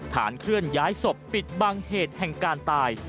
เคลื่อนย้ายศพปิดบังเหตุแห่งการตาย